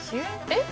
えっ？